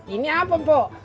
ini apa pak